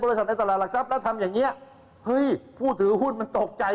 บริษัทในตลาดหลักทราบแล้วทำอย่างนี้พูดถือพูดมันตกใจ